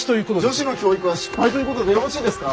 女子の教育は失敗ということでよろしいですか？